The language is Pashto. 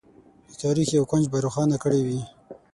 د تاریخ یو کونج به روښانه کړی وي.